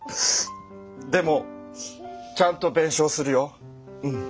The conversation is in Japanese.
でもちゃんと弁償するようん。